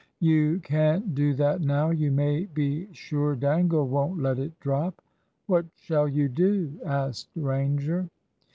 "You can't do that now. You may be sure Dangle won't let it drop." "What shall you do?" asked Ranger.